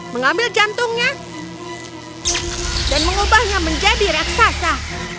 mengambil jantungnya dan mengubahnya menjadi raksasa